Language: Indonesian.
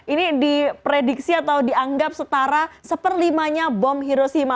ini diprediksi atau dianggap setara satu per limanya bom hiroshima